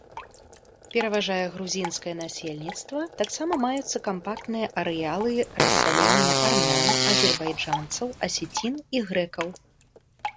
Пераважае грузінскае насельніцтва, таксама маюцца кампактныя арэалы рассялення армян, азербайджанцаў, асецін і грэкаў.